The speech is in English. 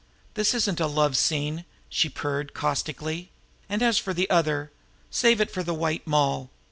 This isn't a love scene!" she purred caustically. "And as for the other, save it for the White Moll.